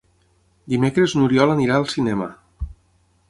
Dimecres n'Oriol anirà al cinema.